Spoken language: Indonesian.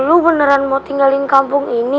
lu beneran mau tinggalin kampung ini